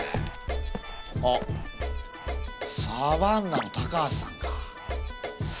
あっサバンナの高橋さんか。